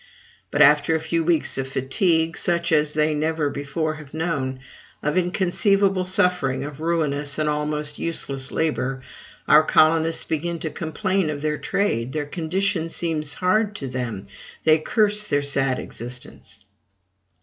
But after a few weeks of fatigue, such as they never before have known, of inconceivable suffering, of ruinous and almost useless labor, our colonists begin to complain of their trade; their condition seems hard to them; they curse their sad existence.